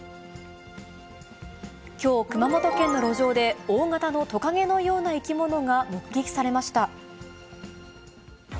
きょう、熊本県の路上で大型のトカゲのような生き物が目撃されました。